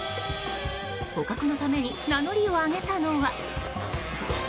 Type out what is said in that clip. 捕獲のために名乗りを上げたのは。